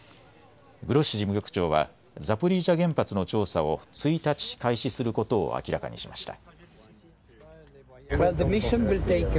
グロッシ事務局長はザポリージャ原発の調査を１日、開始することを明らかにしました。